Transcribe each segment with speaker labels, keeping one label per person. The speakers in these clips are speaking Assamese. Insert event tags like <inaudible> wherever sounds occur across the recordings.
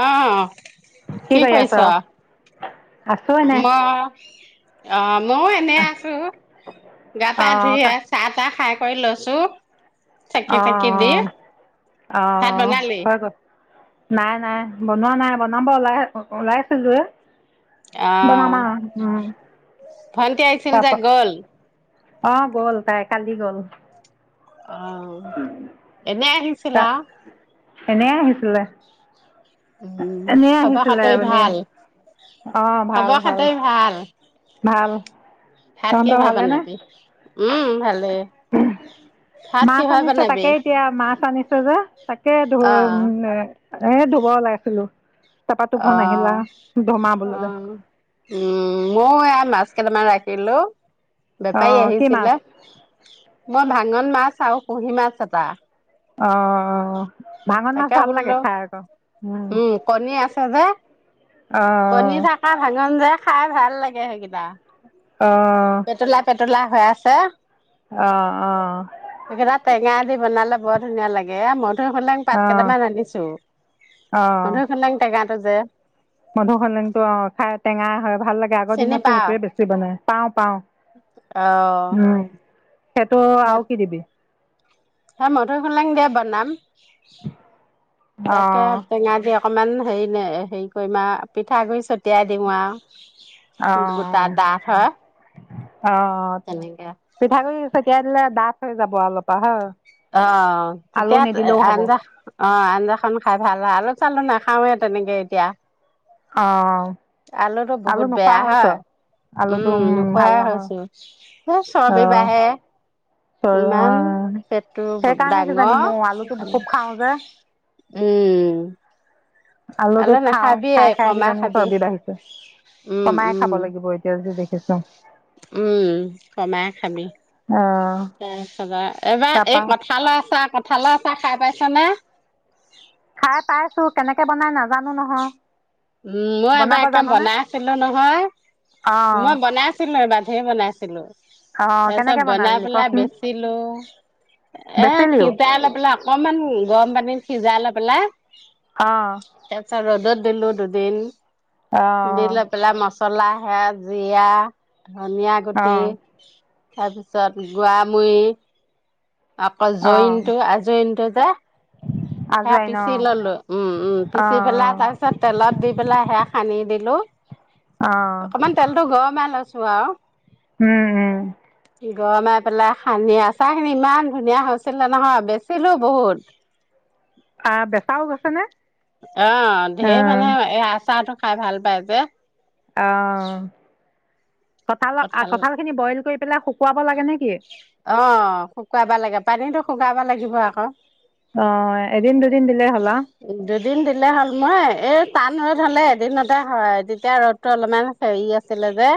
Speaker 1: অহ
Speaker 2: কি কৰি আছ আছোঁ এনে।
Speaker 1: মই অ। মইয়ো এনে আছোঁ গা পা ধুই
Speaker 2: অঁ
Speaker 1: চাহ তাহ খাই- থৈ লৈছোঁ।
Speaker 2: অ অ
Speaker 1: ভাত
Speaker 2: অহ
Speaker 1: বনালি?
Speaker 2: হয় ক। নাই নাই বনোৱা নাই বনাব ওলাই ওলাইছিলোৱেই।
Speaker 1: অহ ভণ্টি আহিছিল গ'ল।
Speaker 2: অ গ'ল তাই কালি গ'ল।
Speaker 1: অ এনে আহিছিল আও।
Speaker 2: এনে আহিছিলে।
Speaker 1: উম
Speaker 2: এনেই
Speaker 1: খবৰ
Speaker 2: আহিছিলে
Speaker 1: খাটি
Speaker 2: মানে
Speaker 1: ভাল
Speaker 2: অঁ ভাল
Speaker 1: খবৰ খাটি ভাল,
Speaker 2: ভাল
Speaker 1: ভাত কি
Speaker 2: তহঁতৰ
Speaker 1: হে
Speaker 2: ভালেনে
Speaker 1: বনাবি। উম ভাল।
Speaker 2: মাছ আনিছে তাকে
Speaker 1: বনাবি?
Speaker 2: এতিয়া মাছ আনিছে যে তাকে ধুম
Speaker 1: অ',
Speaker 2: এ। এ ধুব ওলাইছিলোঁ। তোৰ
Speaker 1: অ
Speaker 2: ফোন আহিল আৰু ধুম আৰু বোলো
Speaker 1: অ
Speaker 2: দে
Speaker 1: উম মও এয়া মাছ কেইটামান ৰাখিলোঁ। বেপাৰী
Speaker 2: অঁ কি
Speaker 1: আহিছিলে।
Speaker 2: মাছ
Speaker 1: মই ভাঙন মাছ আৰু কুহি মাছ এটা।
Speaker 2: অ ভাঙন মাছ
Speaker 1: তাকে
Speaker 2: ভাল লাগে
Speaker 1: বোলো
Speaker 2: খাই আকৌ
Speaker 1: উম কণী আছে যে কণী
Speaker 2: আহ
Speaker 1: থকা ভাঙন যে খাই ভাল লাগে। <unintelligible>
Speaker 2: আহ
Speaker 1: পেতুলা পেতুলা হৈ আছে
Speaker 2: আহ আহ
Speaker 1: সেইকেইটা টেঙা দি বনালে বৰ ধুনীয়া লাগে এ ম <unintelligible> সোলেং পাত
Speaker 2: আহ
Speaker 1: কেইটামান আন্নিছো, মধুসোলেঙ টেঙা যে।
Speaker 2: মধু সোলেংটো অ খাই টেঙা হয়। ভাল লাগে আগৰ
Speaker 1: চিনি
Speaker 2: দিনতো
Speaker 1: পাও
Speaker 2: সেইটোয়ে বেছি বনাই পাও পাওঁ,
Speaker 1: অ
Speaker 2: উম। সেইটো আও কি দিবি।
Speaker 1: হয় মধু সোলেং দিয়ে বনাম।
Speaker 2: অ
Speaker 1: তাকে টেঙা দিয়া। অকণমান হেৰি নে হেৰি কৰিম আও পিঠাগুড়ি ছটিয়াই দিম আও।
Speaker 2: অ-অ অ-অ
Speaker 1: তেনেকে
Speaker 2: পিঠাগুৰি চ- চতিয়াই দিলে ডাঠ হৈ যাব অলপ পৰা হ
Speaker 1: অ, তেতিয়া আঞ্জা অ আঞ্জাখন খাই ভাল হয় আৰু <unintelligible> নাখাওঁৱে তেনেকে এতিয়া।
Speaker 2: অঁ।
Speaker 1: আলুটো বহুত বেয়া হয়
Speaker 2: আলুটো
Speaker 1: উম
Speaker 2: ভাল
Speaker 1: নোখাই
Speaker 2: নহয়
Speaker 1: হৈছো। চৰ্বি বাঢ়ে ইমান
Speaker 2: অ
Speaker 1: পেটটো
Speaker 2: সেইকাৰণে
Speaker 1: ডাঙৰ
Speaker 2: কিজানি মোৰ আলুটো খুব খাওঁ যে
Speaker 1: <inaudible> উম।
Speaker 2: আলুটো
Speaker 1: আলু
Speaker 2: খাওঁ
Speaker 1: নাখাবি
Speaker 2: খাই খাই
Speaker 1: কমাই
Speaker 2: কিজানি
Speaker 1: খাবি
Speaker 2: চৰ্বি বাঢ়িছে
Speaker 1: উম
Speaker 2: কমাই
Speaker 1: উম
Speaker 2: খাব লাগিব এতিয়া যি দেখিছো
Speaker 1: উম, কমাই খাবি
Speaker 2: আহ
Speaker 1: তাৰপিছত আৰু এইবাৰ এই
Speaker 2: তাৰপা
Speaker 1: কঠালৰ আচাৰ কঠালৰ আচাৰ খাই পাই চানা,
Speaker 2: খাই পাইছো, কেনেকে বনাই নাজানো, নহয়
Speaker 1: উম ', মই এবাৰ
Speaker 2: বনাব
Speaker 1: একে
Speaker 2: জাননে
Speaker 1: বনাই আছিলো নহয়,
Speaker 2: অ
Speaker 1: মই বনাইছিলো এবাৰ ধেৰ বনাইছিলো।
Speaker 2: অ
Speaker 1: তাৰপিছত
Speaker 2: কেনেকে
Speaker 1: বনাই
Speaker 2: বনালি
Speaker 1: পেলাই
Speaker 2: কচোন
Speaker 1: বেচিলো এ',
Speaker 2: বেচিলিও
Speaker 1: তিতাই লৈ পেলাই অকনমান গৰম পানী সিজাই লৈ পেলায়,
Speaker 2: অ',
Speaker 1: তাৰপাছত ৰ'দত দিলো দুদিন,
Speaker 2: অ
Speaker 1: দিলৈ পেলায় মছ। চলা সেয়া জীৰা, ধনিয়া
Speaker 2: অ অ
Speaker 1: গুটি, তাৰপিছত গোৱামুৰি, আকৌ
Speaker 2: অ
Speaker 1: জইন্তটো- আজৈনটো দে, সেয়া
Speaker 2: আজোৱাইন অ
Speaker 1: পিচি ললো, উম-উম
Speaker 2: অ
Speaker 1: পিচি পেলাই তাৰ পিছত তেলত দি পেলাই সেয়া সানি দিলোঁ‌।
Speaker 2: অ অ
Speaker 1: অকমান তেলতটো গৰমে লৈছোঁ। ৱাহ',
Speaker 2: উম-উম
Speaker 1: গৰমাই পেলাই সানি, আচাৰ খিনি ইমান ধুনীয়া হৈছিলে নহয় বেচিলো বহুত।
Speaker 2: আহ', বেচাও গৈছে নে?
Speaker 1: অ', ঢেৰ মানে এ', আচাৰটো খাই ভাল পায় যে,
Speaker 2: অহ ',
Speaker 1: কঠাল
Speaker 2: পেলাই শুকুৱাব লাগে নেকি
Speaker 1: অ', শুকুৱাব লাগে পানীতো শুকাবা লাগে। দিব আকৌ,
Speaker 2: অ ', এদিন। দুদিন দিলে হ'লা
Speaker 1: দুদিন দিলে হল মই এ', টান ৰ'দ হ'লে এদিনতে হয়, তেতিয়া ৰ'দতটো অলপমান হেৰি আছিলে যে',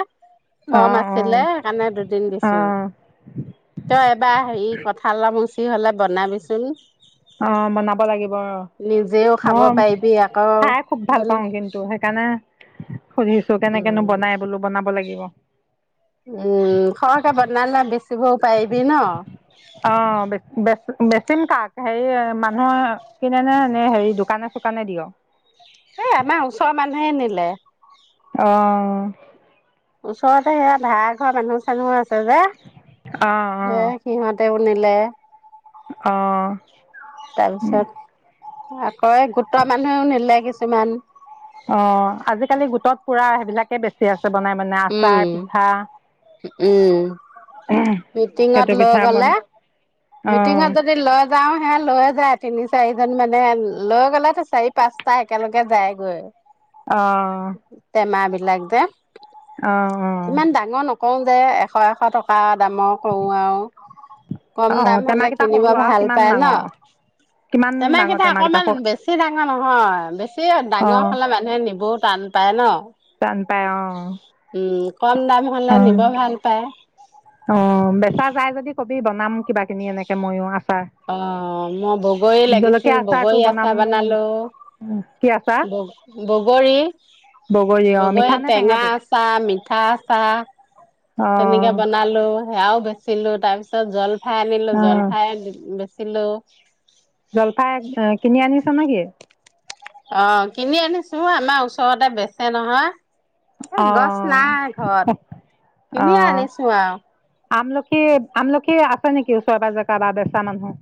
Speaker 2: অ
Speaker 1: কম
Speaker 2: অ
Speaker 1: আছিলে সেইকাৰণে দুদিন
Speaker 2: অ
Speaker 1: দিছো, তই এবাৰ হেৰি কথা অলপ। ফ্ৰী হ'লে বনাবিচোন,
Speaker 2: অ', বনাব লাগিব। ব',
Speaker 1: নিজেও খাব
Speaker 2: মই
Speaker 1: পাৰিবি আকৌ
Speaker 2: খাই খুব ভাল
Speaker 1: হ'ল
Speaker 2: পাওঁ কিন্তু, সেইকাৰণে। সুধিছো কেনেকেনো
Speaker 1: উম,
Speaker 2: বনাই বোলো বনাব লাগিব,
Speaker 1: উম, খৰকে বনালে বেছি।
Speaker 2: অ', বেচ -বেছিম কাক? হেৰি মানুহৰ কিনে নে ', হেৰি দোকানে- -চোকানে দিয়?
Speaker 1: এই আমাৰ ওচৰৰ মানুহে নিলে।
Speaker 2: অহ
Speaker 1: ওচৰতে সেয়া ভাড়া ঘৰ মানুহ চানো আছে।
Speaker 2: অ
Speaker 1: কি যে এ কিহতে নিলে।
Speaker 2: অহ
Speaker 1: তাৰপিছত। আকৌ গোটৰ মানুহেও নিলে কিছুমান।
Speaker 2: অ' আজিকালি গোটত পুৰা সেইবিলাক। একে বেছি আছে। বনাই বনাই আচাৰ
Speaker 1: উম
Speaker 2: পিঠা
Speaker 1: উম মিটিংত
Speaker 2: সেইটো
Speaker 1: লৈ
Speaker 2: পিঠা বন
Speaker 1: গলে
Speaker 2: অ
Speaker 1: মিটিংত যদি লৈ যাওং হে লৈ যায়। তিনি চাৰিজন মানে লৈ গ'লে তো চাৰি পাঁচটা একেলগে যায়গৈ।
Speaker 2: অ
Speaker 1: তেমা <inaudible> লাগ দে
Speaker 2: অহ! অহ!
Speaker 1: কওঁ যে, এশ, এশ টকাত দামৰ কৰোঁ আৰু, কম
Speaker 2: অ
Speaker 1: দাম হ'লে
Speaker 2: টেমাকেইটা
Speaker 1: কিনিব
Speaker 2: সৰু আৰু
Speaker 1: ভাল
Speaker 2: কিমান
Speaker 1: পায় ন।
Speaker 2: ডাঙৰ কিমান ডাঙৰ
Speaker 1: তেমাকেইটা
Speaker 2: টেমাকেইটা
Speaker 1: অকমান
Speaker 2: সৰু
Speaker 1: বেছি ডাঙৰ নহয়। বেছি ডাঙৰ হলে মানুহে নিবও টান পায় ন।
Speaker 2: টান পাই অ
Speaker 1: <unintelligible> কম দাম হ'লে নিব ভাল পায়।
Speaker 2: অ বেচা যাই যদি কবি, বনাম কিবা কিনি এনেকে মইও আছোঁ।
Speaker 1: অ মই বগৰী
Speaker 2: জলকীয়া
Speaker 1: লাগিছিল,
Speaker 2: আচাৰটো
Speaker 1: বগৰী
Speaker 2: বনাম
Speaker 1: আচাৰ
Speaker 2: কি আচাৰ
Speaker 1: বনালোঁ, বগৰী,
Speaker 2: অ মিঠা
Speaker 1: বগৰী
Speaker 2: নে
Speaker 1: টেঙা
Speaker 2: টেঙাটো
Speaker 1: আচাৰ, মিঠা আচাৰ।
Speaker 2: অ
Speaker 1: তেনেকে বনালোঁ। সেয়াও বেচিলোঁ, তাৰ পিছত জলফ ফাই আনিলো
Speaker 2: অ
Speaker 1: জলফাই বেছি হেল্ল'?
Speaker 2: চা নেকি?
Speaker 1: অ কিনি আনিছোঁ। আমাৰ ওচৰতে বেচে নহয়।
Speaker 2: অ
Speaker 1: এ গছ নাই, ঘৰত
Speaker 2: অ
Speaker 1: কিনিয়ে আনিছোঁ আৰু।
Speaker 2: আমলখি, আমলখি আছে নেকি? ওচৰে পাঁজৰে, কাৰোবাৰ বেচা মানুহ।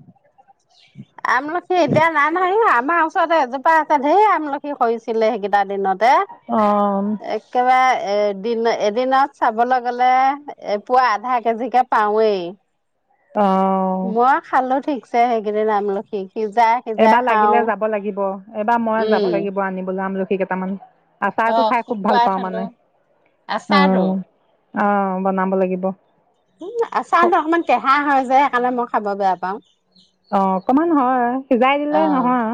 Speaker 1: আমলখি এতিয়া নাই নহয়। আমাৰ ওচৰতে এজোপা আছে, ঢেৰ আমলখি সৰিছিলে সেইকেইটা দিনত। এই,
Speaker 2: অ
Speaker 1: একেবাৰে এদিন, এদিনত চাবলৈ গ'লে, এপোৱা আধা কেজিকে পাওৱেই।
Speaker 2: অ
Speaker 1: মই খালো ঠিকছে। ‌ চে সেইকেইদিন আমলখি। সিজাই সিজাই
Speaker 2: এবাৰ লাগিলে
Speaker 1: খাওঁ।
Speaker 2: যাব লাগিব। এইবাৰ মই
Speaker 1: উম
Speaker 2: যাব লাগিব, আনিবলৈ আমলখি। খি‌ কেটামান। আচাৰটো
Speaker 1: অ'
Speaker 2: খাই খুব ভাল
Speaker 1: শুকুৱাই
Speaker 2: পাওঁ
Speaker 1: থলো
Speaker 2: মানে।
Speaker 1: আচাৰটো।
Speaker 2: অ'হ! অ' বনাব লাগিব।
Speaker 1: উম
Speaker 2: অঁ
Speaker 1: আছাৰতো অকমান কেঁহা হয় যে। খালে, মই খাব বেয়া পাওঁ।
Speaker 2: অকণমান হয়। সিজাই
Speaker 1: অ
Speaker 2: দিলে নহয়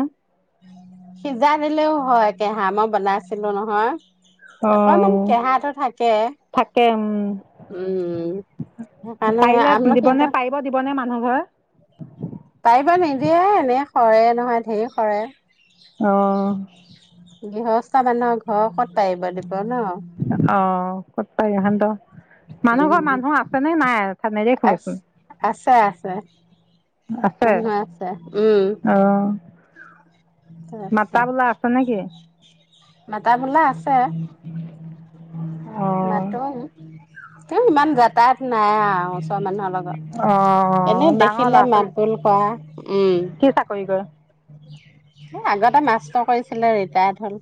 Speaker 1: সিজাই দিলেও হয়, কেঁহা, মই বনাইছিলোঁ নহয়।
Speaker 2: অ
Speaker 1: অকমান কেহাটো থাকে
Speaker 2: থাকে, উম
Speaker 1: উম সেইকাৰণে
Speaker 2: পাৰিলে
Speaker 1: আমলখিটো
Speaker 2: দিবনে? পাৰিব দিবনে মান নহয়।
Speaker 1: তাই পৰা নিদিয়ে, এনেই সৰে নহয়, ধেৰ সৰে।
Speaker 2: অঁ
Speaker 1: গৃহস্থ মানুহৰ ঘ, ৰ ক'ত পাৰিব দিব। ন
Speaker 2: অ ক'ত পাৰে ইহঁতৰ! মানুহ ঘৰ মানুহ আছে নে নাই?
Speaker 1: আ
Speaker 2: নেদেখোৱেচোন
Speaker 1: আছে আছে
Speaker 2: আছে
Speaker 1: মানুহ আছে উম
Speaker 2: অঁ মাতা
Speaker 1: তাৰপিছত
Speaker 2: বোলা আছে নেকি।
Speaker 1: মাতা বোলা আছে
Speaker 2: অঁ
Speaker 1: মাটুং ইমান যাতায়াত নাই আৰু ওচৰৰ মানুহৰ লগত
Speaker 2: অঁ
Speaker 1: এনে
Speaker 2: ডাঙৰ
Speaker 1: দেখিলে
Speaker 2: ল'ৰা
Speaker 1: মাত
Speaker 2: ছোৱালী
Speaker 1: বোল কৰা
Speaker 2: কি চাকৰি কৰে
Speaker 1: উম আগতে মাষ্টটো কৰিছিলে ৰিটায়াৰ্ড হ'ল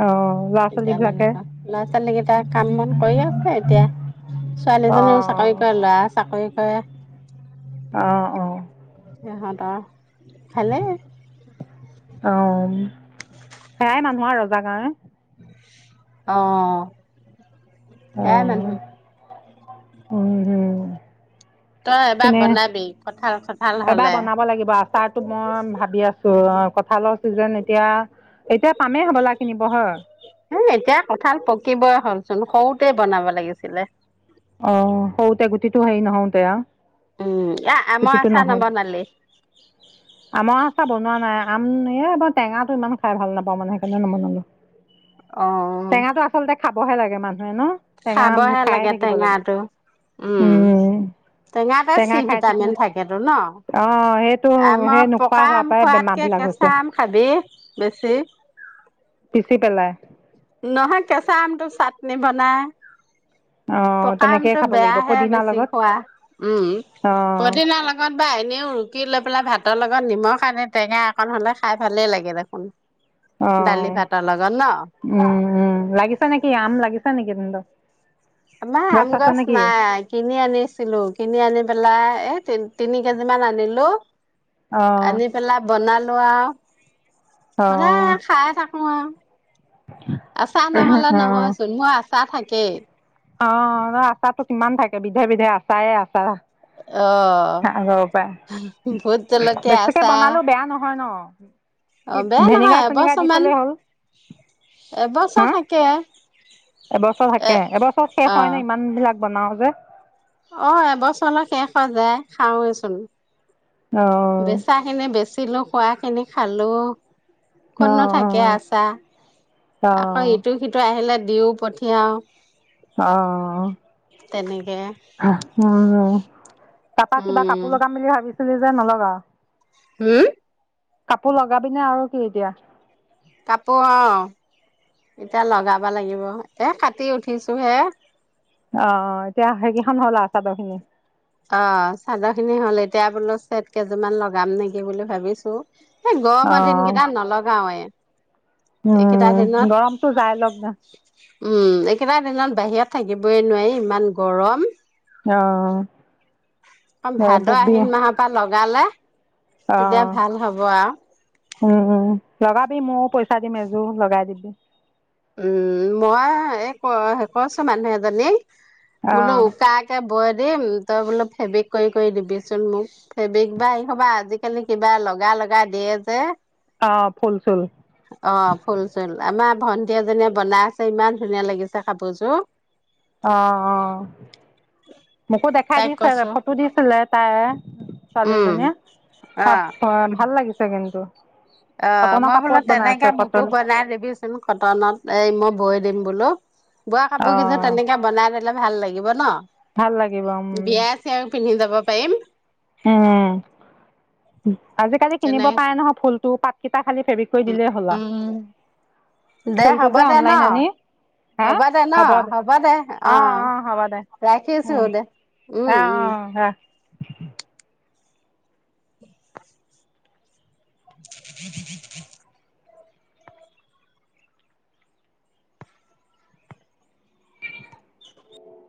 Speaker 2: অ', ল'ৰা ছোৱালী
Speaker 1: এতিয়া মানে
Speaker 2: বিলাকে
Speaker 1: ক লৰা ছোৱালী কেইটা কাম বন কৰি আছে এতিয়া ছোৱালীজনীও চাকৰি
Speaker 2: অ',
Speaker 1: কৰে ল'ৰা চাকৰি কৰে।
Speaker 2: আহ অ
Speaker 1: সিহঁতৰ ভালেই
Speaker 2: অম সেয়াই মানুহ আৰু ৰজা গাৱে-
Speaker 1: অ এয়াই মানুহ
Speaker 2: অ', উম হম
Speaker 1: তই এবাৰ
Speaker 2: কিনে
Speaker 1: বনাবি কঁঠাল চঠাল
Speaker 2: এবাৰ
Speaker 1: হলে।
Speaker 2: বনাব লাগিব আচাৰটো মই ভাবি আছো কঠালৰ চিজন এতিয়া এতিয়া পামেই হবলা কিনিব হয়
Speaker 1: এ এতিয়া কঁঠাল পকিবই হ'লচোন সৰুতে বনাব লাগিছিলে
Speaker 2: অ সৰুতে গোটিটো হেই নহওঁতে আউ
Speaker 1: উম এ আমৰ
Speaker 2: কুটিটো
Speaker 1: আচাৰ
Speaker 2: নহল
Speaker 1: নবনালি?
Speaker 2: আমৰ আচাহ বনোৱা নাই আম মই টেঙাটো ইমান খাই ভাল নাপাওঁ মানে সেইকাৰণে নবনালো।
Speaker 1: অ
Speaker 2: টেঙাটো আচলতে খাব। বহে লাগে মান হয় ন টেঙা
Speaker 1: খাবহে
Speaker 2: খাই
Speaker 1: লাগে
Speaker 2: থাকি।
Speaker 1: টেঙাটো উম টেঙাতে চি
Speaker 2: টেঙা খাই
Speaker 1: ভিটামিন
Speaker 2: থাকিলে
Speaker 1: থাকেতো ন
Speaker 2: অ' সেইটো
Speaker 1: আমাৰ
Speaker 2: সেই নোখোৱা
Speaker 1: পকা
Speaker 2: হোৱাৰ
Speaker 1: আম
Speaker 2: পৰাই
Speaker 1: খোৱাতকে
Speaker 2: বেমাৰবিলাক
Speaker 1: কেঁচা
Speaker 2: হৈছে
Speaker 1: আম খাবি বেছি
Speaker 2: পিচি পেলাই
Speaker 1: নহয় কেঁচা আমটো চাতনি বনাই
Speaker 2: অ'
Speaker 1: পকা
Speaker 2: তেনেকেই
Speaker 1: আমটো
Speaker 2: খাব লাগিব
Speaker 1: বেয়াহে
Speaker 2: পদিনাৰ
Speaker 1: বেছি
Speaker 2: লগত
Speaker 1: খোৱা উম
Speaker 2: অ'
Speaker 1: পদোনা লগত বা এনেও ৰুতি লৈ পেলাই ভাত ভাতৰ লগত নিমখ আনি টেঙা অকণ হ'লে খাই ভালেই লাগে দেখোন
Speaker 2: অ
Speaker 1: দালি ভাতৰ লগত ন'
Speaker 2: উম উ লাগিছে নেকি আম লাগিছো নেকি কিন্তু
Speaker 1: আমাৰ আম গছ নাই কিনি আনিছিলো কিনি আনি পেলাই এ তি তিনি কেজি মান আনিলো
Speaker 2: অ'
Speaker 1: আনি পেলাই বনালো। খোৱা
Speaker 2: অ'
Speaker 1: খানে খাইে থাকো আৰু আচা নহলে নহয়
Speaker 2: অ'
Speaker 1: চোন মই আচা থাকি। এক
Speaker 2: অ ন আচাটো কিমান থাকে বিধে বিধে আচায়ে আছা।
Speaker 1: অ'
Speaker 2: চা আগৰ পৰাই
Speaker 1: ভোট জলকীয়া
Speaker 2: বেছিকে
Speaker 1: আচাৰ
Speaker 2: বনালো বেয়া নহয় ন কি
Speaker 1: অ' বেয়া নহয়
Speaker 2: ভেনেগাৰ চেনেগাৰ দি
Speaker 1: এবছৰমান
Speaker 2: থলেই হ'ল
Speaker 1: এবছৰ
Speaker 2: হা
Speaker 1: থাকে।
Speaker 2: এবছৰ
Speaker 1: এ
Speaker 2: থাকে এবছৰ শেষ হয়
Speaker 1: অ'
Speaker 2: ন ইমান বিলাক। বনাওঁজে
Speaker 1: অ এবছৰলৈ শেষ হৈ যায় খাওৱেচোন
Speaker 2: অ'
Speaker 1: বেচাখিনি বেছি কিলো খোৱা কিনি খালো
Speaker 2: অ',
Speaker 1: কোন নো থাকে আছা আকৌ
Speaker 2: অ',
Speaker 1: ইটো সিটো আহিলে দিওঁ পঠিয়াওঁ
Speaker 2: অ উ তা পা কিবা
Speaker 1: উম
Speaker 2: কাপোৰ লগাম বুলি ভাবিছোং। <unintelligible>
Speaker 1: হম?
Speaker 2: কাপোৰ লগাবি নে‌ আৰু কি এতিয়া?
Speaker 1: কাপোৰ অ, এতিয়া লগাবা লাগিব, এ কাটি উঠিছো হে।
Speaker 2: অ এতিয়া সেইকেইখন হ'ল আৰ চাদৰ খিনি?
Speaker 1: তিয়া বলৰ ছেট কেইযোৰমান লগাম নেকি বুলি ভাবিছোঁ
Speaker 2: আহ
Speaker 1: এইকেইটা
Speaker 2: উম
Speaker 1: দিনত
Speaker 2: গৰমটো যাই লগ না
Speaker 1: উম এইকেইটা দিনত বাহিৰত থাকিবই নোৱাৰি ইমান গৰম।
Speaker 2: অ
Speaker 1: অ
Speaker 2: এই
Speaker 1: ভাদ
Speaker 2: ববি
Speaker 1: আহিন মাহৰ পৰা লগ গালা
Speaker 2: অ উম লগা মই পইচা দিম এযোৰ লগাই দিবি।
Speaker 1: উম মই এই ক কছো মানুহ এজনী বোলো
Speaker 2: অ',
Speaker 1: উকাকে বয় দিম তই বোলো ফেব্ৰিক কৰি কৰি দিবিচোন মোক ফেব্ৰিক বা এইসবা আজিকালি কিবা লগা লগা দিয়ে যে
Speaker 2: অ', ফুল চুল
Speaker 1: অ ফুল চুল আমাৰ অ'ন সেজনীয়ে বনাই আছে ইমান ধুনীয়া লাগিছে কাপোৰযোৰ
Speaker 2: অ অ মোকো দেখাই
Speaker 1: তাইক
Speaker 2: দিছে
Speaker 1: কৈছো
Speaker 2: ফটো দিছিলে তাই ছোৱালী
Speaker 1: উম
Speaker 2: এজনীয়ে
Speaker 1: অ
Speaker 2: তাপ উম ভাল লাগিছে কিন্তু
Speaker 1: অ
Speaker 2: কটনৰ
Speaker 1: মই বোলো
Speaker 2: কাপোৰত বনাই
Speaker 1: তেনেকে
Speaker 2: আছে
Speaker 1: মোকো
Speaker 2: কটন
Speaker 1: বনাই দিবিচোন কটনত এই মই বৈ দিম বোলো বোৱা কাপোৰ যোৰ যে
Speaker 2: আহ
Speaker 1: তেনেকে বনাই দিললে ভাল লাগে লাগিব ন।
Speaker 2: ভাল লাগিব, উম
Speaker 1: বিয়াই চিয়াই পিন্ধি যাব পাৰিম।
Speaker 2: ও <unintelligible> আজিকালি কিনিব
Speaker 1: তেনে
Speaker 2: পাৰে নহয় ফুলটো, পাতকেইটা খালি ফেব্ৰিক কৰি
Speaker 1: উম
Speaker 2: দিলেই হ'ল,
Speaker 1: উম
Speaker 2: আৰু
Speaker 1: দে
Speaker 2: ফুলটো
Speaker 1: হ'ব
Speaker 2: যে
Speaker 1: দে ন
Speaker 2: অনলাইন আনি, হা,
Speaker 1: হ'ব দে ন
Speaker 2: হ'ব দে,
Speaker 1: অ
Speaker 2: অ-অ, হ'ব দে,
Speaker 1: ৰাখিছো
Speaker 2: উম,
Speaker 1: দে উম
Speaker 2: অ-অ
Speaker 1: উম
Speaker 2: ৰাখ আ <inaudible>
Speaker 1: হ <inaudible>